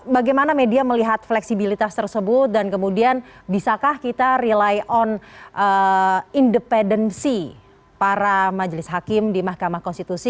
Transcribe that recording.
bagaimana media melihat fleksibilitas tersebut dan kemudian bisakah kita rely on independensi para majelis hakim di mahkamah konstitusi